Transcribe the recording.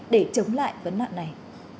để chống lại vấn nạn này